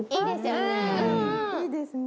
いいですね。